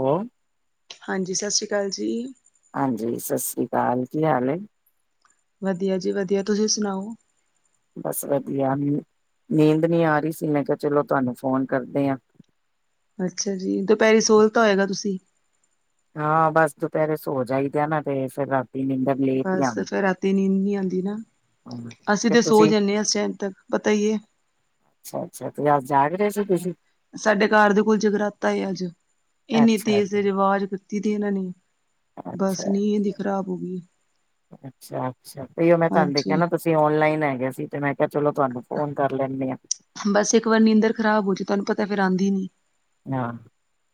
ਹੋ। ਹਾਂ ਜੀ ਸਤਿ ਸ਼੍ਰੀ ਅਕਾਲ ਜੀ। ਹਾਂ ਜੀ ਸਤਿ ਸ੍ਰੀ ਅਕਾਲ ਕੀ ਹਾਲ ਏ। ਵਧੀਆ ਜੀ ਵਧੀਆ ਤੁਸੀਂ ਸੁਣਾਓ। ਬਸ ਵਧੀਆ। ਨੀਂਦ ਨਹੀਂ ਆ ਰਹੀ ਸੀ। ਮੈਂ ਕਿਹਾ ਚਲੋ ਤੁਹਾਨੂੰ ਫੋਨ ਕਰਦੇ ਹਾਂ। ਅੱਛਾ ਜੀ ਦੁਪਹਿਰੀ ਸੋ ਲੀਤਾ ਹੋਏਗਾ ਤੁਸੀਂ। ਹਾਂ ਬੱਸ ਦੁਪਹਿਰੇ ਸੋ ਜਾ ਹੀ ਦਿਆ ਨਾ ਤੇ ਫਿਰ ਰਾਤੀ। ਨਿੰਦਰ ਲੇਟ ਹੀ ਬਸ ਫੇਰ ਆਉਂਦੀ ਹੈ ਰਾਤੀ ਨੀਂਦ ਨੀ ਆਉਂਦੀ ਨਾ। ਹਾਂ, ਅਸੀਂ ਤੇ ਸੋ ਤੁਸੀਂ ਜਾਂਦੇ ਹਾਂ ਸਟੈਂਡ ਤੱਕ ਪਤਾ ਹੀ ਏ। ਅੱਛਾ ਅੱਛਾ ਤੁਸੀਂ ਅਜ ਜਾ ਰਹੇ ਹੋ। [unintelligible] ਹ [unintelligible] ਸਾਡੇ ਘਰ ਦੇ ਕੋਲ ਜਗਰਾਤਾ ਏ ਅੱਜ ਇੰਨੀ ਅੱਛਾ ਤੇਜ਼ ਤੇ ਰਿਵਾਜ਼। ਤੀ ਤੇ ਇਹਨਾਂ ਨੇ [unintelligible] ਬਸ ਅੱਛਾ ਨੀਂਹ ਇਹ ਦੀ ਖ਼ਰਾਬ ਹੋ ਗੀ। ਅੱਛਾ ਅੱਛਾ ਤੇਓ ਮੈਂ ਤੁਹਾਨੂੰ ਦੇਖਿਆ ਹਾਂਜੀ ਨਾ ਤੁਂਸ ਓਨਲਾਈਨ ਹੈ ਗੇ ਸੀ ਤੇ ਮੈਂ ਕਿਹਾ ਚਲੋ ਤੁਹਾਨੂੰ ਫੋਨ ਕਰ ਲੈਂਦੇ ਆਂ ਬਸ ਇੱਕ ਵਾਰ ਨੀਂਦਰ ਖ਼ਰਾਬ ਹੋ ਜਾਏ [unintelligible] ਤੁਹਾਨੂੰ ਪਤਾ ਫਿਰ ਆਂਦੀ ਨੀ ਹਾਂ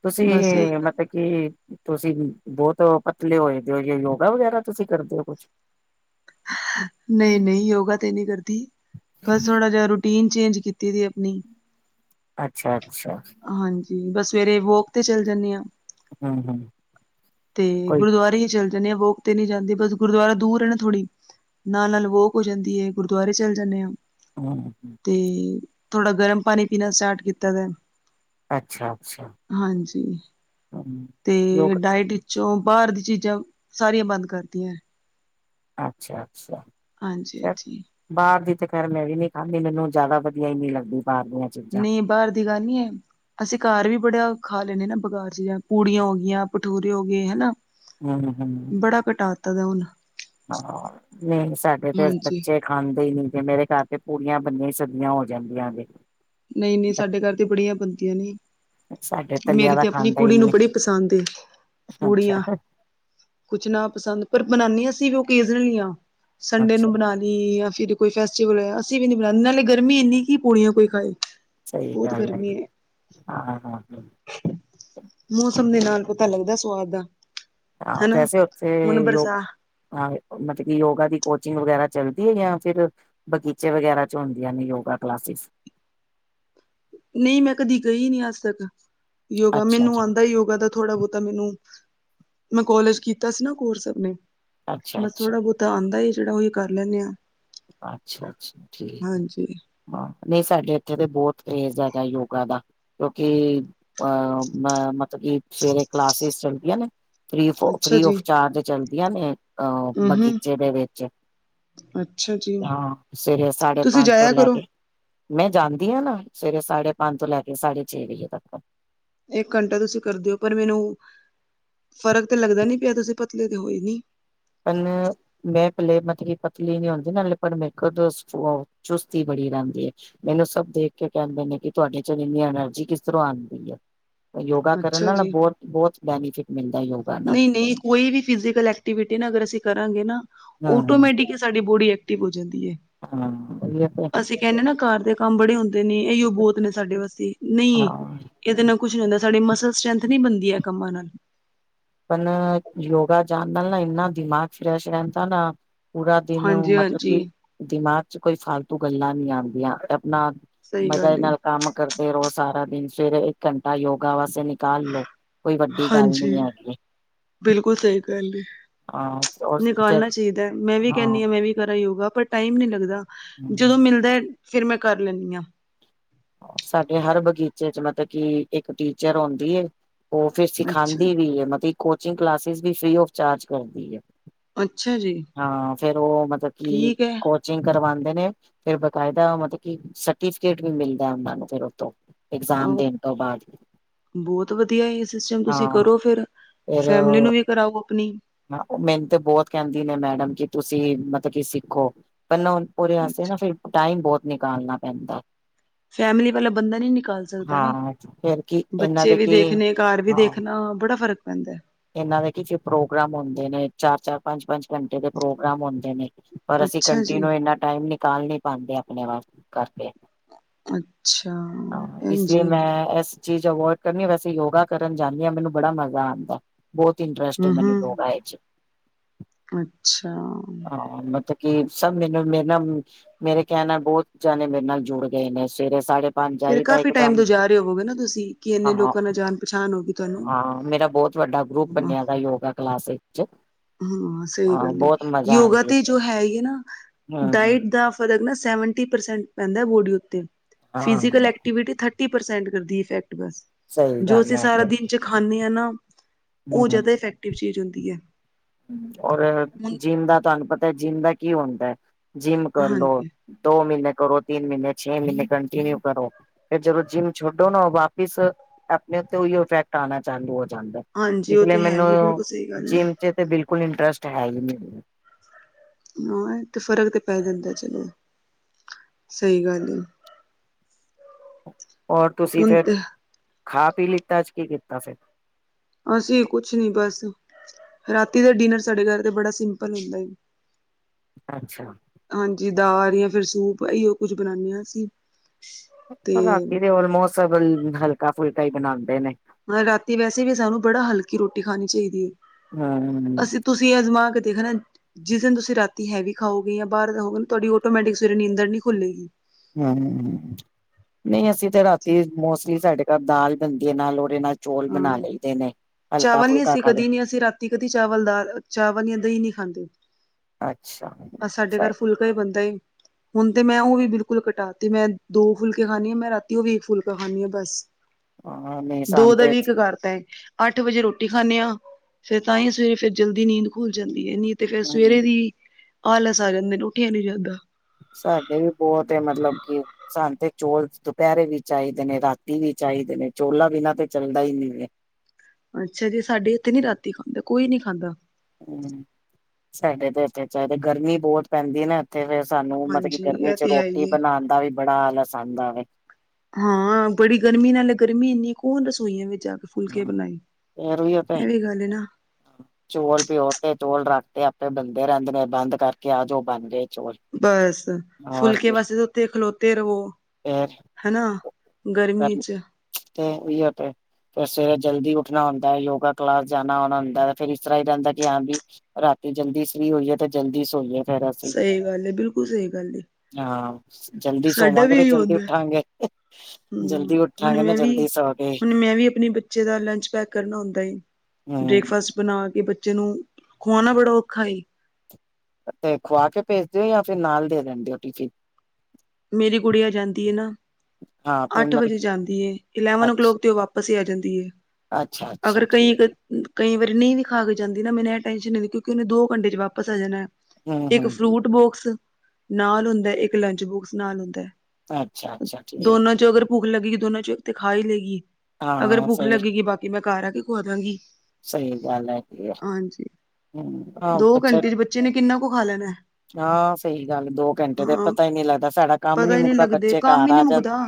ਤੁਸੀਂ ਬਸ ਇਹ ਗੱਲ ਮਤ ਕਿ। ਤੁਸੀਂ ਬਹੁਤ ਪਤਲੇ ਹੋਏ ਪਏ ਓ ਯੇ ਯੋਗਾ ਵਗੈਰਾ ਤੁਸੀਂ ਕਰਦੇ ਹੋ ਕੁਛ। ਨਹੀਂ ਨਹੀਂ ਯੋਗਾ ਤੇ ਨਹੀਂ ਕਰਦੀ ਬਸ ਥੋੜਾ ਜਿਹਾ ਰੂਟੀਨ ਚੇਂਜ ਕੀ ਕੀਤੀ ਦੀ ਆਪਣੀ ਅੱਛਾ ਅੱਛਾ ਹਾਂਜੀ ਬਸ ਸਵੇਰੇ ਵੋਕ ਤੇ ਚੱਲ ਜਾਨੀ ਆ ਹਮ ਹਮ ਤੇ ਕੋਈ ਗੁਰਦੁਆਰੇ ਹੀ ਚੱਲ ਜਾਨੀ ਵੋਕ ਤੇ ਨੀ ਜਾਂਦੀ ਬਸ ਗੁਰਦੁਆ ਦੂਰ ਐ ਨਾ ਥੋੜੀ ਨਾਲ ਨਾਲ ਵੋਕ ਹੋ ਜਾਂਦੀ ਏ ਗੁਰਦੁਆਰੇ ਚੱਲ ਜਾਨੇ ਆ ਹਾਂ [unintelligible] ਤੇ ਥੋੜਾ ਗਰਮ ਪਾਣੀ ਪੀਣਾ ਸਟਾਰਟ ਕੀਤੈ ਵੈ ਅੱਛਾ-ਅੱਛਾ ਹਾਂਜੀ ਹੂੰ। ਤੇ ਯੋਗ ਡਾਇਟ ਚੋਂ ਬਾਹਰ ਦੀ ਚੀਜ਼ਾਂ ਸਾਰੀਆਂ ਬੰਦ ਕਰਤੀਆਂ ਅੱਛਾ ਅੱਛਾ। ਹਾਂਜੀ ਹਾਂਜੀ। ਬਾਹਰ ਦੀ ਤਾਂ ਖੈਰ ਮੈਂ ਵੀ ਨੀ ਖਾਂਦੀ ਮੈਨੂੰ ਜ਼ਿਆਦਾ ਵਧੀਆ ਹੀ ਨੀ ਲੱਗਦੀ ਬਾਹਰ ਦੀਆਂ। ਚੀਜ਼ਾਂ। ਨੀ ਬਾਹਰ ਦੀ ਗੱਲ ਨੀ ਹੈ ਅਸੀਂ ਘਰ ਵੀ ਬੜਿਆ ਖਾ ਲੈਣੇ ਬਗਾਚ ਚੀ ਪੂੜੀਆਂ ਹੋ ਗਈਆਂ ਭਠੂਰੇ ਹੋ ਗਏ ਹਨਾ ਹਮ ਹੂੰ ਹੂੰ ਘਟਾਤੇ ਦਾ ਹੁਣ ਹਾਂ ਨਹੀਂ ਸਾਡੇ ਤੇ ਹਾਂਜੀ ਬੱਚੇ ਖਾਂਦੇ ਹੀ ਨਹੀਂ ਤੇ ਮੇਰੇ ਖਰ ਤੇ ਪੂੜੀਆਂ ਬੰਨੀਆਂ ਹੀ ਸਦੀਆਂ ਹੋ ਜਾਂਦੀਆਂ ਨੇ ਨਹੀਂ ਨਹੀਂ ਸਾਡੇ ਘਰ ਤੇ ਬੜੀਆਂ ਬਣਦੀਆਂ ਨੇ। ਸਾਡੇ ਤਲਿਆ ਮੇਰੇ ਦਾ ਤੇ ਆਪਣੀ ਖਾਂਦਾ ਹੀ ਕੁੜੀ ਨੂੰ ਨੀ ਬੜੀ ਪਸੰਦ ਏ ਕੁੜੀਆਂ ਕੁਛ ਨਾ ਪਸੰਦ ਪਰ ਬਨਾਨੀ ਅਸੀਂ ਵੀ ਓਕੇਜਨਲੀ ਆਂ ਸੰਡੇ ਨੂੰ ਅੱਛਾ-ਅੱਛਾ ਬਣਾ ਲ ਨੀ ਅਸੀਂ ਤਾਂ ਕੋਈ ਫੈਸਟੀਵਲ [unintelligible] ਅਸੀਂ ਵੀ ਨੀ ਬਲ [unintelligible] ਨਾਲੇ ਗਰਮੀ ਇੰਨੀ ਕਿ ਪੁੂੜੀਆਂ ਕੋਈ ਖਾਏ ਸਹੀ ਬਹੁਤ ਗੱਲ ਹੈ ਗਰਮੀ ਐ ਹਾਂ ਹਾਂ ਮੌਸਮ ਦੇ ਨਾਲ ਪਤਾ ਲੱਗਦਾ ਸਵਾਦ ਦਾ ਹਾਂ ਹਨਾ। ਵੈਸੇ ਉੱਥੇ ਹੁਣ ਯੋ ਬਰਸਾ ਹਾਂ ਮਤ ਕਿ ਯੋਗਾ ਦੀ ਕੋਚਿੰਗ ਵਗੈਰਾ ਚੱਲਦੀ ਹੈ ਯਾਂ ਫਿਰ। ਬਗੀਚੇ ਵਗੈਰਾ ਚ ਹੁੰਦੀਆਂ ਨੇ ਯੋਗਾ ਕਲਾਸਿਸ। ਨਹੀਂ ਮੈਂ ਕਦੀ ਗਈ ਨੀ ਅੱਜ ਤੱਕ ਯੋਗਾ ਅੱਛਾ-ਅੱਛਾ ਮੈਨੂੰ ਆਂਦਾ ਯੋਗਾ ਦਾ ਥੋੜਾ ਬਹੁਤਾ ਮੈਨੂੰ ਮੈਂ ਕੋਲਜ ਕੀਤਾ ਸੀ ਨਾ ਕੋਰਸ ਆਪਣੇ ਅੱਛਾ ਬਸ ਅੱਛਾ ਥੋੜਾ ਬਹੁਤ ਥੋ ਤਾਂ ਆਂਦਾ ਏ ਜਿਹੜਾ ਓਹੀ ਕਰ ਲੈਂਨੇ ਆਂ ਅੱਛਾ ਅੱਛਾ ਠੀਕ ਹਾਂ ਨਹੀਂ ਸਾਡੇ ਇੱਥੇ ਤੇ ਬਹੁਤ ਕ੍ਰੇਜ਼ ਹੈਗਾ ਯੋਗਾ ਦਾ। ਕਿਉਂਕਿ ਅ ਮ ਮਤ ਕਿ ਸਵੇਰੇ ਕਲਾਸਿਸ ਚੱਲਦੀਆਂ ਨੇ। ਫਰੀ ਆਫ ਅੱਛਾ ਫਰੀ ਜੀ ਆਫ ਚਾਰਜ ਚਲਦੀਆਂ ਨੇ ਬਗੀਚੇ ਦੇ ਵਿਚ ਅਛਾ ਜੀ। ਹਾਂ ਸਵੇਰੇ ਸਾਢੇ ਤੁਸੀਂ ਪੰਨ ਤੋ ਜਾਇਆ ਲੈ ਕਰੋ ਕੇ ਮੈਂ ਜਾਦੀ ਹਾਂ ਨਾ ਸਵੇਰੇ ਸਾਢੇ ਪੰਨ ਤੋ ਲੈ ਕੇ ਸਾਢੇ ਛੇ ਵਜੇ ਤੱਕ ਇਕ ਘੰਟਾ ਤੁਸੀ ਕਰਦੇ ਓ ਪਰ ਮੈਨੂੰ ਫ਼ਰਕ ਤੇ ਲਗਦਾ ਨੀ ਪਿਆ ਤੁਸੀ ਪਤਲੇ ਤੇ ਹੋਏ ਨੀ ਪਨ [unintelligible] ਮੈਂ ਪਲੇ ਪਤਲੀ ਪਤਲੀ ਨੀ ਹੁੰਦੀ ਨਾ ਲੇਪ ਮੇਰੇ ਕੋ ਅ ਸ [unintelligible] ਚੁਸਤੀ ਬੜੀ ਰਹਿੰਦੀ ਏ ਮੈਨੂੰ ਸਭ ਦੇਖ ਕੇ ਕਹਿੰਦੇ ਨੇ ਕਿ ਤੁਹਾਡੇ ਚ ਇਨੀ ਐਨਰਜੀ ਕਿਸ ਤਰ੍ਹਾਂ ਆਂਦੀ ਐ ਯੋਗਾ ਕਰਨ ਅੱਛਾ ਨਾਲ ਬਹੁਤ ਬਹੁਤ ਬੈਨੀਫਿਟ ਮਿਲਦਾ ਯੋਗਾ ਨਾਲ। ਨਹੀ ਨਹੀ ਕੋਈ ਵੀ ਫਿਜ਼ਕਲ ਐਕਟੀਵਿਟੀ ਨਾ ਅਗਰ ਅਸੀ ਕਰਾਂਗੇ ਨਾ ਹਾਂ ਆਟੋਮੈਟਿਕਲੀ ਸਾਡੀ ਬੋਡੀ ਟੀ ਹੋ ਜਾਂਦੀ ਹੈ। ਹਾਂ- ਅਸੀ ਕਹਿਦੇ ਨਾ ਕਾਰ ਦੇ ਕਮ ਬੜੇ ਹੁੰਦੇ ਨੇ ਇਹੀਓ ਬਹੁਤ ਨੇ ਸਾਡੇ ਵਾਸਤੇ ਨਹੀ ਹਾਂ ਇਹਦੇ ਨਾਲ ਕੁਛ ਨੀ ਹੁਦਾ ਸਾਡੀ ਮਸਲ ਸਟਰ੍ਰੈਂਥ ਨੀ ਬਣਦੀ ਹੈ ਕਮਾਂ ਨਾਲ ਆਪ ਯੋਗਾ ਜਾਣ ਨਾਲ ਨਾ ਇਨਾ ਦਿਮਾਗ ਫਰੈਸ਼ ਰਹਿਦਾ ਨਾ ਪੂਰਾ ਦਿਨ ਮਤਲਬ ਹਾਂਜੀ-ਹਾਂਜੀ। ਕਿ ਦਿਮਾਗ 'ਚ ਕੋਈ ਫਾਲਤੂ ਗੱਲਾਂ ਨਹੀ ਆਉਦੀਆਂ ਤੇ ਆਪਣਾ ਸਹੀ ਮਜ਼ਾ ਗੱਲ ਏ। ਨਾਲ ਕੰਮ ਕਰਦੇ ਰਹੋ ਸਾਰਾ ਦਿਨ ਸਵੇਰੇ ਇਕ ਘੰਟਾ ਯੋਗਾ ਵਾਸਤੇ ਨਿਕਾਲ ਲੋ ਹਾਂਜੀ ਬਿਲਕੁਲ ਸਹੀ ਗਲ ਹਾਂ ਨਿਕਾਲਣਾ ਚਾਹੀਦਾ ਮੈਂ ਵੀ ਕਹਿਦੀ ਹਾਂ ਮੈ ਵੀ ਕਰਾਂ ਯੋਗਾ ਪਰ ਟਾਈਮ ਨੀ ਲਗਦਾ ਹਾਂ। ਜਦੋਂ ਮਿਲਦਾ ਫਿਰ ਮੈ ਕਰ ਲੈਦੀ ਹਾਂ ਸਾਡੇ ਹਰ ਬਗੀਚੇ 'ਚ ਮਤਲਬ ਕਿ ਇਕ ਟੀਚਰ ਆਉਦੀ ਉਹ ਫਿਰ ਅੱਛਾ। ਸਿਖਾਉਦੀ ਵੀ ਹੈ। ਮਤਲਬ ਕੋਚਿੰਗ ਕਲਾਸਿਸ ਵੀ ਫ੍ਰਰੀ ਆਫ ਚਾਰਜ ਕਰਦੀ ਹੈ। ਅੱਛਾ ਜੀ ਹਾਂ ਫੇਰ ਉਹ ਮਤਲਬ ਕਿ ਠੀਕ ਹੈ ਕੋ ਕਰਵਾਉਦੇ ਨੇ ਫਿਰ ਬਕਾਇਦਾ ਮਤਲਬ ਕੀ ਸਰਟੀਫਿਕੇਟ ਵੀ ਮਿਲਦਾ ਉਹਨਾਂ ਨੂੰ ਫਿਰ ਉਥੋ ਇਗਜ਼ਾਮ ਓ ਦੇਣ ਤੋ ਬਾਅਦ- ਬਹੁਤ ਵਧੀਆ ਇਹ ਸਿਸਟਮ ਤੁਸੀ ਹਾਂ ਕਰੋ ਫਿਰ ਫੈਮਲੀ ਨੂੰ ਵੀ ਕਰਾਓ ਆਪਣੀ ਹਾਂ ਉਹ ਮੈਨੂੰ ਤੇ ਬਹੁਤ ਕਹਿਦੀ ਨੇ ਮੈਡਮ ਕਿ ਤੁਸੀ ਮਤਲਬ ਕੀ ਸਿਖੋ ਪੈਹਿਲਿ ਦੇ ਵਾਸਤੇ ਨਾ ਫਿਰ ਟਾਈਮ ਬਹੁਤ ਨਿਕਾਲਣਾ ਪੈਦਾ ਫੈਮਿਲੀ ਪਹਿਲਾ ਬੰਦਾ ਨੀ ਨਿਕਾਲਦਾ ਨਾ ਹਾਂ ਫਿਰ ਕੀ ਇਹਨਾਂ ਬੱਚੇ ਦੇ ਵੀ ਕੀ ਦੇਖਣੇ ਘਰ ਵੀ ਹਾਂ ਦੇਖਣਾ ਬੜਾ ਫਰਕ ਪੈਦਾ ਇਹਨਾਂ ਦੇ ਕਿ ਪ੍ਰੋਗਰਾਮ ਹੁਦੇ ਨੇ ਚਾਰ- ਚਾਰ ਪੰਜ- ਪੰਜ ਘੰਟੇ ਦੇ ਪ੍ਰੋਗਰਾਮ ਹੁਦੇ ਨੇ ਪਰ ਅਸੀ ਅੱਛਾ ਜੀ ਕੰਟੀਨਿਊ ਇਨਾ ਟਾਈਮ ਨਿਕਾਲ ਨੀ ਪਾਉਦੇ ਆਪਣੇ ਵਾ ਕਰਕੇ ਅਛਾ- ਹਾਂ ਇਸ ਲਈ ਮੈ ਇਸ ਚੀਜ਼ ਅਵੋਇਡ ਕਰਨੀ ਵੈਸੇ ਯੋਗਾ ਕਰਨ ਜਾਦੀ ਹਾਂ ਮੈਨੂੰ ਬੜਾ ਮਜ਼ਾ ਆਉਦਾ ਬਹੁਤ ਇੰਟਰੇਸਟ ਹੂੰ ਮਨ ਹੂੰ ਲੋਗਏ ਹ ਅੱਛਾ ਮਬ ਕਿ ਸਭ ਮੈਨੂੰ ਮੇਰੇ ਨਾਲ ਮੇਰੇ ਕਹਿਣ ਨਾਲ ਬਹੁਤ ਜਣੇ ਮੇਰੇ ਨਾਲ ਜੁੜ ਗਏ ਨੇ ਸਵੇਰੇ ਸਾਰੇੇ ਬਣ ਫੇਰ ਜਾਈ ਤਾਂ ਕਾਫੀ ਟਾਈਮ ਇਕਦਮ ਤੋਂ ਜਾ ਰਹੇ ਹੋਵੋਗੇ ਨਾ ਤੁਸੀਂ ਕਿ ਇੰਨੇ ਹਾਂ- ਲੋਕਾਂ ਨਾਲ ਜਾਣ ਪਛਾਣ ਹੋਗੀ ਤੁਹਾਨੂੰ ਹਾਂ ਮੇਰਾ ਬਹੁਤ ਵਹਾਡਾ ਗਰੁੱਪ ਬਣਿਆ ਦਾ ਯੋਗਾ ਕਲਾਸ ਵਿੱਚ ਹਾਂ ਸਹੀ ਹਾਂ ਗੱਲ ਬਹੁਤ ਮਜ਼ਾ ਯੋਗਾ ਆਂਦੀ ਹੈ। ਤੇ ਜੋ ਹੈਗੀ ਨਾ ਹੂੰ-ਹੂੰ ਡਾਇਟ ਦਾ ਸਟ ਪੈਂਦਾ ਬੋ ਉਤੇ ਹਾਂ ਫਿਕਲਕਵਿਟੀ ਸਟਕਟ ਸਹੀ ਜੋ ਗੱਲ ਅਸੀ ਸਾਰਾ ਹੈਗੀ ਦਿਨ 'ਚ ਖਾਂਦੇ ਹ ਨਾ ਉਹ ਜ਼ਿਆਦਾ ਇਫੈਕਟਿਵ ਚੀਜ਼ ਹੁਦੀ ਹੈ। ਹ ਔਰ- ਹੁਨ- ਜਿਮ ਦਾ ਤੁਹਾਨੂੰ ਪਤਾ ਹੈ। ਜਿਮ ਦਾ ਕੀ ਹੁੰਦਾ ਹ ਜਿਮ ਕਰਲੋ ਹਾਂਜੀ ਦੋ ਮਹੀਨੇ ਕਰੋ ਤਿੰਨ ਮਹੀਨੇਛੇ ਮਹੀਨੇ ਕੰਟੀਿਨਿਊ ਕਰੋ ਫਿਰ ਜਦੋਂ ਜਿਮ ਛਡੋ ਨਾ ਉਹ ਵਾਪਿਸ ਆਪਣੇ ਉਤੇ ਉਹੀ ਇਫੈਕਟ ਆਉਣਾ ਚਾਲੂ ਹੋ ਜਾਦਾ ਹਾਂਜੀ ਇਸ ਉਹ ਲਈ ਤੇ ਹੈ ਮੈਨੂੰ ਹੀ ਬਿਲਕੁਲ ਸਹੀ ਗੱਲ ਹੈ ਜਿਮ ਚ ਤੇ ਬਿਲਕੁਲ ਇੰਟਰਸਟ ਹੈ। ਹੀ ਮ ਹਾਂ ਤੇ ਫ਼ਰਕ ਤੇ ਪੈ ਜਾਂਦਾ ਚਲੋ ਸਹੀ ਗੱਲ ਔਰ ਤੁਸੀ ਹੁਣ ਫੇਰ ਤੇ ਖਾ ਪੀ ਲਿਤਾ ਕੀ ਕੀਤਾ ਫਿਰ ਅਸੀਂ ਕੁਛ ਨੀ ਬਸ ਰਾਤੀ ਦੇ ਡਿਨਰ ਸਾਡੇ ਘਰ ਤੇ ਬੜਾ ਸਿੰਪਲ ਹੁੰਦਾ ਹੈ। ਅੱਛਾ, ਹਾਂਜੀ ਦਾਲ ਜਾਂ ਫਿਰ ਸੂਪ ਇਹੀ ਉਹ ਕੁੱਝ ਬਣਾਦੇ ਹਾਂ ਅਸੀਂ, ਤੇ ਰਾਤੀ ਦੇ ਆਲਮੋਸਟ ਹਲਕਾ ਫੁਲਕਾ ਹੀ ਬਣਾਉਂਦੇ ਨੇ, ਰਾਤੀ ਵੈਸੇ ਵੀ ਸਾਨੂੰ ਬੜਾ ਹਲਕੀ ਰੋਟੀ ਖਾਣੀ ਚਾਹੀਦੀ ਹੈ। ਹਾ ਅਸੀਂ ਤੁਸੀਂ ਆਜ਼ਮਾ ਕੇ ਦੇਖਣਾ, ਤੁ ਜਿਸ ਦਿਨ ਤੁਸੀਂ ਰਾਤੀ ਹੈਵੀ ਖਾਓਗੇ, ਜਾਂ ਬਾਹਰ ਖਾਓਗੇ ਨਾ, ਤੁਹਾਡੀ ਆਟੋਮੈਟਿਕ ਸਵੇਰੇ ਨੀਂਦਰ ਨਹੀਂ ਖੂਲੇਗੀ। ਹੂੰ, ਨਹੀਂ ਅਸੀਂ ਤੇ ਰਾਤੀ ਮੋਸਟਲੀ ਸਾਡੇ ਘਰ ਦਾਲ ਬਣਦੀਏ ਨਾਲ ਔਦੇ ਨਾਲ ਚੌਲ ਹਾਂ ਬਣਾ ਲਈ ਦੇਨੇ, ਹਲਕਾ ਚਾਵਲ ਨੀ ਫੁਲਕਾ ਅਸੀਂ ਖਾ ਕਦੀ ਨੀ ਅਸੀਂ ਰਾਤੀ ਕਦੀ ਚਾਵਲ ਦਾ ਚਾਵਲ ਜਾਂ ਦਹੀਂ ਨਹੀਂ ਖਾਂਦੇ ਅੱਛਾ ਅ ਸਾਡੇ ਘਰ ਫੁਲ ਕਈ ਬੰਦੇ, ਹੁਣ ਤੇ ਮੈਂ ਉਹ ਵੀ ਬਿਲਕੁਲ ਘਟਾਤੀ, ਮੈਂ ਦੋ ਫੁਲਕੇ ਖਾਂਦੀ ਆ, ਮੈਂ ਰਾਤੀ ਉਹ ਵੀ ਇੱਕ ਫੁਲਕਾ ਖਾਂਦੀ ਆ ਬਸ ਹਾਂ ਨਹੀਂ, ਦੋ ਸਾਨੂੰ ਦੇ ਤੇ ਵੀ ਇੱਕ ਕਰ ਤੇ। ਅੱਠ ਵਜੇ ਰੋਟੀ ਖਾਂਨੇਂ ਆਂ, ਫੇਰ ਤਾਂ ਹੀ ਸਵੇਰੇ ਫਰ ਜਲਦੀ ਨੀਂਦ ਖੁਲ ਜਾਂਦੀ ਹੈ ਨੀਂਦ, ਤੇ ਫੇਰ ਸਵੇਰੇ ਹੂੰ ਦੀ, ਆਲਸ ਆ ਜਾਂਦੇ ਨੇ ਉੱਠਿਆ ਨੀ ਜਾਦਾਂ। ਸਾਡੇ ਵੀ ਬਹੁਤ ਐ, ਮਤਲਬ ਕੀ ਕਿ ਸਾਨੂੰ ਤੇ ਚੋਲ ਦੁਪਹਿਰੇ ਵੀ ਚਾਹੀਦੇ ਨੇ, ਰਾਤੀ ਵੀ ਚਾਹੀਦੇ ਨੇ, ਚੋਲਾ ਬਿਨਾਂ ਤੇ ਚੱਲਦਾ ਹੀ ਨਹੀਂ ਹੈ। ਅੱਛਾ ਜੀ, ਸਾਡੇ ਇੱਥੇ ਨੀ ਰਾਤੀ ਖਾਂਦੇ, ਕੋਈ ਨੀ ਖਾਂਦਾ। ਹੂੰ, ਸਾਡੇ ਤੇ ਇਥੇ ਚਾਹੀਦੇ, ਗਰਮੀ ਬਹੁਤ ਪੈਂਦੀ ਨਾ। ਤੇ ਫੇਰ, ਸਾਨੂੰ ਮਤਲਬ ਕਿ ਹਾਂਜੀ ਗਰਮੀ ਇਹ ਚ ਤੇ ਹੈ ਰੋਟੀ ਹੀ ਹੈ ਬਣਾਣ ਦਾ ਵੀ ਬੜਾ ਆਲਸ ਆਦਾ ਵੇ। ਹਾਂ ਬੜੀ ਗਰਮੀ, ਨਾਲੇ ਗਰਮੀ ਇੰਨੀ ਕੌਣ ਰਸੋਈਆਂ ਵਿੱਚ ਜਾ ਕੇ, ਫੁਲਕੇ ਬਣਾਈ, ਇਹ ਵੀ ਗੱਲ ਨਾ ਹਾਂ, ਚੌਲ ਪਿਓ ਤੇ, ਚੋਲ ਰੱਖ ਤੇ, ਆਪੇ ਬੰਦੇ ਰਹਿੰਦੇ ਨੇ ਬੰਦ ਕਰਕੇ ਆ ਜਾਯੋ, ਬਣ ਗਏ ਚੌਲ, ਬਸ, ਫੁਲਕੇ ਵਾਸਤੇ ਉਥੇ ਖਲੋਤੇ ਰਵੋ, ਹੈਨਾ ਗਰਮੀ ਚ ਤੇ ਔ ਹੀ, ਤੇ ਫਿਰ ਸਵੇਰੇ ਜਲਦੀ ਉੱਠਣਾ ਹੁੰਦਾ ਹੈ, ਯੋਗਾ ਕਲਾਸ ਜਾਣਾ ਹੋਣਾ ਹੁੰਦਾ, ਫੇਰ ਇਸ ਤਰ੍ਹਾਂ ਹੀ ਰਹਿੰਦਾ ਕਿ ਹਾਂ ਵੀ ਰਾਤੀ ਜਲਦੀ ਫ੍ਰੀ ਹੋਈਏ, ਤੇ ਜਲਦੀ ਸੋਈਏ। ਫੇਰ ਅਸੀਂ ਸਹੀ ਗੱਲ ਹੈ, ਬਿਲਕੁਲ ਸਹੀ ਗੱਲ ਐ। ਹਾਂ, ਜਲਦੀ ਸੋਵਾਂਗੇ, ਤੇ ਜਲਦੀ ਹੁੰਦਾ ਉਠਾਂਗੇ, ਹਮ ਜਲਦੀ ਉ ਹੁਣ ਮੈਂ ਵੀ, ਹੁਣ ਮੈਂ ਵੀ ਆਪਣੇ ਬੱਚੇ ਦਾ ਲੰਚ ਪੈਕ ਕਰਨਾ ਹੁੰਦਾ ਏ, ਹਮ ਬ੍ਰੇਕਫਾਸਟ ਬਣਾ ਕੇ, ਬੱਚੇ ਨੂੰ ਖੁਵਾਣਾ ਬੜਾ ਔਖਾ ਏ, ਤੇ ਖੁਆ ਕੇ ਭੇਜ ਦੇ ਔ, ਜਾਂ ਫਿਰ ਨਾਲ ਦੇ ਦੇਂਦੇ ਔ ਟੀਫੀਨ। ਮੇਰੀ ਗੁੜਿਆ ਜਾਂਦੀ ਹੈ ਨਾ, ਹਾਂ ਫਿਰ ਅੱਠ ਮੈਂ ਵਜੇ ਜਾਂਦੀ ਹੈ, ਇਲੈਵਨ ਓ ਕਲੋਕ ਤੇ ਉਹ ਵਾਪਸ ਹੀ ਆ ਜਾਂਦੀ ਹੈ। ਅੱਛਾ-ਅੱਛਾ, ਕਈ ਕ ਕਈ ਵਾਰੀ ਨਹੀਂ ਵੀ ਖਾ ਕੇ ਜਾਂਦੀ, ਨਾ ਮੈਨੂੰ ਇਹ ਟੈਂਸ਼ਨ ਨਹੀਂ ਹੁਨਦੀ, ਕਿਉਂਕਿ ਉਹਨੇ ਦੋ ਘੰਟੇ ਚ ਵਾਪਸ ਆ ਜਾਣਾ। ਹਮ ਇੱਕ ਹਮ ਹਮ ਫਰੂਟ ਬੋਕਸ ਨਾਲ ਹੁੰਦਾ, ਇੱਕ ਲੰਚ ਬੋਕਸ ਨਾਲ ਹੁੰਦਾ ਅੱਛਾ ਹੈ। ਅੱਛਾ ਠੀਕ ਦੋਨਾਂ ਚੋਂ ਅਗਰ ਭੁਖ ਲੱਗੇਗੀ, ਦੋਨਾਂ ਚੋਂ ਇਕ ਤੇ ਖਾ ਹੀ ਲਏਗੀ। ਅਗਰ ਹਾਂ ਭੁੱਖ ਸਹੀ ਲੱਗੇਗੀ, ਬਾਕੀ ਮੈਂ ਘਰ ਆ ਕੇ ਖਆ ਦਾਗੀ। ਸਹੀ ਗੱਲ ਹੈਗੀ ਆ, ਹੂੰ ਆਹ ਦੋ ਬਚਾ ਘੰਟੇ ਚ ਬੱਚੇ ਨੇ ਕਿੰਨਾ ਕੁ ਖਾ ਲੈਣਾ, ਹਾਂ ਸਹੀ ਗੱਲ, ਦੋ ਘੰਟੇ ਤੇ ਹਾਂ। ਪਤਾ ਹੀ ਨੀ ਲੱਗਦਾ, ਸਾਡਾ ਕੰਮ ਨੀ ਪਤਾ ਹੀ ਨਹੀਂ ਮੁੱਕਦਾ, ਲੱਗਦੇ ਬੱਚੇ ਕੰਮ ਘਰ ਹੀ ਆ ਨਹੀਂ ਜਾਂਣ। ਮੁੱਕਦਾ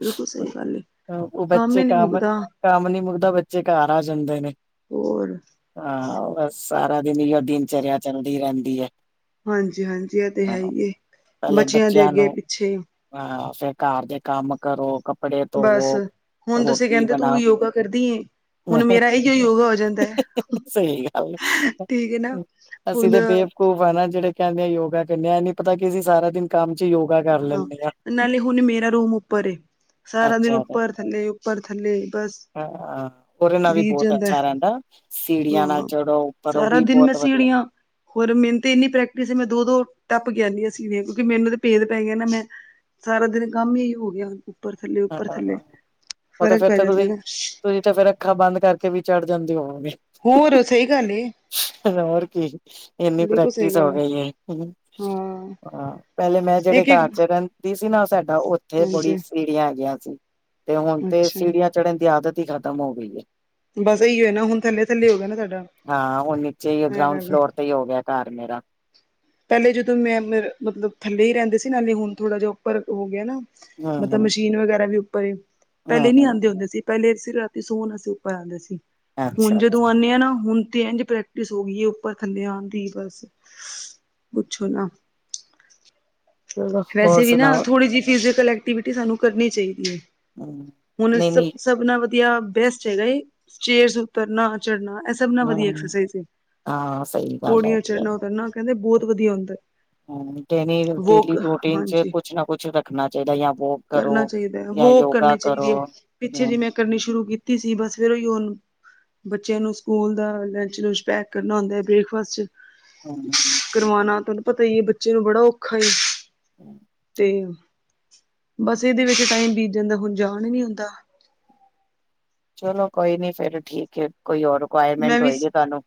ਬਿਲਕੁਲ ਸਹੀ ਗੱਲ ਏ। ਉਹ ਹੀ ਬੱਚੇ ਨੀ ਕੰਮ, ਮੁੱਕਦਾ ਕੰਮ ਨੀ ਮੁੱਕਦਾ, ਬੱਚੇ ਘਰ ਆ ਜਾਂਦੇ ਨੇ। ਹੋਰ, ਹਾਂ ਬਸ ਸਾਰਾ ਦਿਨ, ਏ ਹੋ ਦਿਨਚਰਿਆ ਚੱਲਦੀ ਰਹਿੰਦੀ ਹੈ। ਹਾਂਜੀ-ਹਾਂਜੀ ਇਹ ਤੇ ਹੈ ਹਾਂ ਹੀ ਏ, ਪਹਿਲੇ ਬੱਚਿਆਂ ਦੇ ਅੱਗੇ ਨੂੰ ਪਿੱਛੇ ਹਾਂ ਫਿਰ, ਘਰ ਦੇ ਕੰਮ ਕਰੋ ਕੱਪੜੇ ਬਸ ਧੋਵੋ ਹੁਣ ਤੁਸੀਂ ਰੋਟੀ ਕਹਿੰਦੇ ਤੂੰ ਬਣਾਓ ਯੋਗਾ ਕਰਦੀ ਏ, ਹੁਣ ਮੇਰਾ ਐ ਹੀ ਔ ਯੋਗਾ ਜਾਂਦਾ ਸਹੀ ਗੱਲ ਹੈ ਠੀਕ ਹੈ ਨਾ ਏ, ਅਸੀਂ ਤੇ ਹੁਣ ਬੇ ਖੂ ਹੈ ਨਾ ਜਿਹੜੇ ਕਹਿੰਦੇ ਆ ਯੋਗਾ ਕਰਨੇ ਆ, ਇਹ ਨੀ ਪਤਾ ਕਿ ਅਸੀ ਸਾਰਾ ਦਿਨ ਕੰਮ ਚ ਯੋਗਾ ਕਰ ਲੈਂਦੇ ਹਾਂ ਨਾਲੇ ਹੁਣ ਮੇਰਾ ਰੂਮ ਉੱਪਰ ਏ। ਸਾਰਾ ਦਿਨ ਅੱਛਾ ਹਾਂ ਉੱਪਰ ਥੱਲੇ, ਉੱਪਰ ਥੱਲੇ ਬਸ ਉਹਦੇ ਨਾਲ ਵੀ ਬੀਤ ਬਹੁਤ ਅ ਜਾਂਦਾ ਛਾ ਰਹਿੰਦਾ ਸੀੜੀਆਂ ਨਾਲ ਹਾਂ। ਚੜੋ ਉੱਪਰ ਉਹ ਸਾਰਾ ਵੀ ਦਿਨ ਮੈਂ ਬਹੁਤ ਵਧੀਆ ਸੀੜੀਆਂ ਹੋਰ ਮੈਨੂੰ ਤਾਂ ਇਨੀ ਪ੍ਰੈਕਿਸ ਹੈ ਮ ਦੋ-ਦੋ ਟੱਪ ਕ ਅਣੀ ਅ ਸਿੜੀ ਕਿਉਂਕਿ ਮੈਨੂੰ ਤਾਂ ਭੇਦ ਪੈ ਗਿਆ ਨਾ ਮੈਂ ਸਾਰਾ ਦਿਨ ਕੰਮ ਹੀ ਹੋ ਗਿਆ ਉੱਪਰ ਥੱਲੇ-ਉੱਪਰ ਥੱਲੇ, ਹਾਂ ਫ਼ਰਕ ਪੈ ਜਾਂਦਾ ਨਾ। ਤੇ ਫੇਰ ਅੱਖਾਂ ਬੰਦ ਕਰਕੇ ਵੀ ਚੜ੍ਹ ਜਾਂਦੀ ਹੋਵੋਗੇ ਹੋਰ ਸਹੀ ਗੱਲ ਹੋਰ ਕੀ ਇਨੀ ਬਿਲਕੁਲ ਸਹੀ ਪ੍ਰੈਕਟਿਸ ਹੋ ਗੱਲ ਗਈ ਹੈ। ਹਾਂ। ਹ ਪਹਿਲੇ ਮੈਂ ਜਿਹੜੇ ਘਰ ਇੱਕ-ਇੱਕ ਚ' ਰਹਿ ਦੀ ਸੀ ਨਾ ਸਾਡਾ ਉੱਥੇ ਬੜੀ ਹਾਂਜੀ ਸੀੜੀਆਂ ਗਿਆ ਸੀ। ਤੇ ਹੁਣ ਤੇ ਅੱਛਾ ਸੀੜੀਆਂ ਚੜਨ ਦੀ ਆਦਤ ਹੀ ਖਤਮ ਹੋ ਗਈ ਹੈ। ਬਸ ਇਹੀਓ ਨਾ ਹੁਣ ਥੱਲੇ ਥੱਲੇ ਹੋ ਗਿਆ ਨਾ ਸਾਡਾ ਇਹ ਕਰ ਸਹੀ ਹੋ ਗਿਆ ਘਰ ਮੇਰਾ ਪਹਿਲੇ ਜਦੋਂ ਮੈਂ ਮਤਲਬ ਥੱਲੇ ਹੀ ਰਹਿੰਦੇ ਸੀ। ਨਾਲੇ ਹੁਣ ਥੋੜਾ ਜਿਹਾ ਉੱਪਰ ਹੋ ਗਿਆ ਨਾ ਹਮ ਮਤਲਬ ਹਮ ਮਸ਼ੀਨ ਵਗੈਰਾ ਵੀ ਉੱਪਰ ਪਹਿਲੇ ਹਮ ਨੀ ਹਮ ਆਉਂਦੇ ਹੁੰਦੇ ਸੀ। ਪਹਿਲੇਸੀ ਰਾਤੀ ਸੋਹਨ ਅਸੀਂ ਉੱਪਰ ਆਉਂਦੇ ਸੀ। ਹੁਣ ਅੱਛਾ ਜਦੋਂ ਆਉਂਦੇ ਹਾਂ ਨਾ ਹੁਣ ਤੇ ਇੰਝ ਸ ਹੋ ਗਈ ਹੈ ਉੱਪਰ ਥੱਲੇ ਆਉਣ ਦੀ ਬਸ ਪੁੱਛੋ ਨਾ ਚਲੋ ਹੋਰ ਵੈਸੇ ਵੀ ਨਾ ਸੁਣਾਓ ਥੋੜੀ ਜਿ ਫੀਜ਼ੇ ਕਲੈਕਟ ਐਕਟੀਵਿਟੀ ਸਾਨੂੰ ਕਰਨੀ ਚਾਹੀਦੀ ਹੈ ਹਮ ਹੁਣ ਨਹੀਂ ਨਹੀਂ ਸਭ ਨਾਲ ਵਧੀਆ ਬੈਸਟ ਹੈਗਾ ਏ ਚੇਅਰ ਉਤਰਨਾ, ਚੜ੍ਹਨਾ ਸਭ ਵਧੀਆ ਹਮ ਹਾਂ ਸਹੀ ਗੱਲ ਪੌੜੀਆਂ ਹੈਗੀ ਹੈ ਚੜਨਾ ਉਨਾ ਕਹਿੰਦੇ ਬਹੁਤ ਵਧੀਆ ਹੁੰਦਾ ਵੋਕ [unintelligible] ਰਟੀਨ ਚ' ਹਾਂਜੀ ਕੁਛ ਨਾ ਕੁਛ ਰੱਖਣਾ ਚਾਹੀਦਾ ਜਾਂ ਵੋਕ ਕਰਨਾ ਕਰੋ ਚਾਹੀਦਾ ਹੈ ਜਾਂ ਵੋਕ ਯੋਗਾ ਕਰਨੀ ਚਾਹੀਦੀ ਕਰੋ ਹੈ ਪਿੱਛੇ ਹਮ ਜਿਵੇਂ ਕਰਨੀ ਸ਼ੁਰੂ ਕੀਤੀ ਸੀ ਬਸ ਫੇਰੋਂ ਹੀ ਉਹ ਬੱਚਿਆਂ ਨੂੰ ਸਕੂਲ ਦਾ ਲੰਚ-ਲਚ ਪੈਕ ਕਰਨਾ ਹੁੰਦਾ ਹੈ। ਬ੍ਰੇਕਫਾਸਟ [unintelligible] ਕਰਵਾਉਣਾ ਤੁਹਾਨੂੰ ਪਤਾ ਹੈ ਬੱਚੇ ਨੂੰ ਬੜਾ ਔਖਾ ਏ [inaudible] ਤੇ' ਬਸ ਇਹਦੇ ਵਿੱਚ ਟਾਈਮ ਬੀਤ ਜਾਂਦਾ ਹੁਣ ਜਾਣ ਹੀ ਨੀ ਹੁੰਦਾ ਚਲੋ ਕੋਈ ਨੀ ਫੇਰ ਠੀਕ ਹੈ ਕੋਈ ਹੋਰ ਮੈਂ ਰਿਕੁਆਇਰਮੈਂਟ ਵੀ ਹੋਏਗੀ ਤੁਹਾਨੂੰ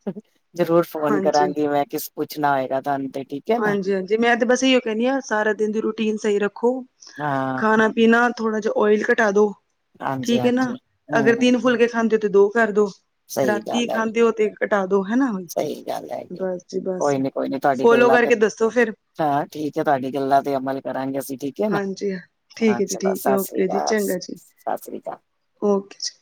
ਜਰੂਰ ਫੋਨ ਹਾਂਜੀ ਕਰਾਂਗੀ ਮੈਂ ਕਿਸ ਪੁੱਛਣਾ ਹੋਏਗਾ ਤੁਹਾਨੂੰ ਤੇ ਠੀਕ ਹੈ ਨਾ ਹਾਂਜੀ-ਹਾਂਜੀ ਮੈਂ ਤੇ ਬਸ ਇਓ ਕਹਿੰਦੀ ਹਾਂ ਸਾਰਾ ਦਿਨ ਦੀ ਰੂਟੀਨ ਸਹੀ ਰੱਖੋ ਹਾਂ ਖਾਣਾ ਬਿਨਾਂ ਥੋੜਾ ਜਿਹਾ ਓਇਲ ਘਟਾ ਦੋ ਹਾਂਜੀ ਠੀਕ ਹੈ ਨਾ ਹਾਂਜੀ ਹਮ ਅਗਰ ਹਮ ਤਿੰਨ ਫੁਲਕੇ ਖਾਂਦੇ ਤੇ ਦੋ ਕਰ ਦੋ ਸਹੀ ਰਾਤੀ ਗੱਲ ਹੈ ਖਾਂਦੇ ਹੋ ਤੇ ਕਟਾ ਦੋ ਹਨਨਾ ਉਈ ਸਹੀ ਗੱਲ ਹੈਗੀ ਬਸ ਜੀ ਬਸ ਕੋਈ ਨੀ ਕੋਈ ਨੀ ਤੁਹਾਡੀ ਫੋਲੋ ਗੱਲਾਂ ਤੇ ਕਰਕੇ ਦੱਸੋ ਫਿਰ ਹਾਂ ਠੀਕ ਹੈ ਤੁਹਾਡੀ ਗੱਲਾਂ ਤੇ ਅਮਲ ਕਰਾਂਗੇ ਅਸੀਂ ਠੀਕ ਕਿ ਨਾ ਹਾਂਜੀ ਠੀਕ ਹਾਂ ਹੈ ਜੀ ਚਲੋ ਠੀਕ ਹੈ ਸਤਿ ਸ਼੍ਰੀ ਓਕੇ ਜੀ ਚੰਗਾ ਜੀ ਅਕਾਲ-ਸਤਿ ਸ਼੍ਰੀ ਅਕਾਲ ਓਕੇ ਜੀ।